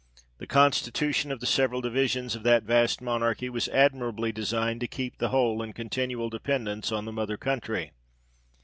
The constitution of the several divisions of that vast monarchy was admirably designed to keep the whole in continual dependance on the mother country.